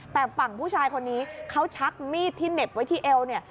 แต่ฝั่งผู้ชายคนนี้เขาชักมีดที่เหน็บไว้ที่เอวเนี่ย